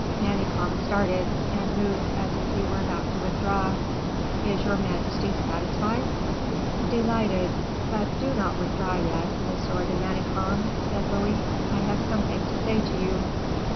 Manicamp started, and moved as if he were about to withdraw. "Is your majesty satisfied?" "Delighted; but do not withdraw yet, Monsieur de Manicamp," said Louis, "I have something to say to you."